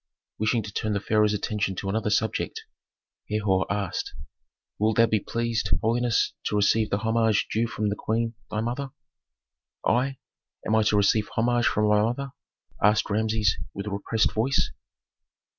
Wishing to turn the pharaoh's attention to another subject, Herhor asked, "Wilt thou be pleased, holiness, to receive the homage due from the queen, thy mother?" "I? Am I to receive homage from my mother?" asked Rameses, with repressed voice.